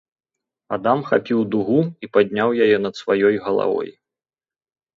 Адам хапіў дугу і падняў яе над сваёй галавой.